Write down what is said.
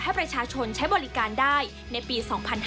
ให้ประชาชนใช้บริการได้ในปี๒๕๕๙